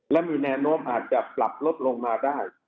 และมีแนวโน้มอาจจะปรับลดลงมาได้